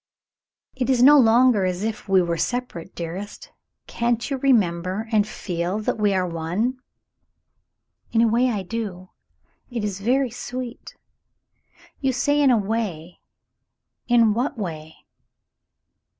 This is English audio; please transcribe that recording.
"It is no longer as if we were separate, dearest; can't you remember and feel that we are one ?" "In a way I do. It is very sweet." "You say in a way. In what way